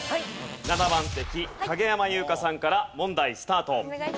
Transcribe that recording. ７番席影山優佳さんから問題スタート。